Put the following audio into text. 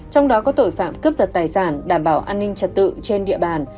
trong đó có tội phạm cướp giật tài sản đảm bảo an ninh trật tự trên địa bàn